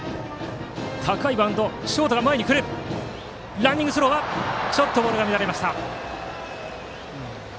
ランニングスローちょっとボールが乱れた。